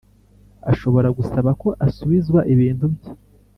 ashobora gusaba ko asubizwa ibintu bye